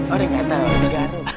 ada yang gatel digarung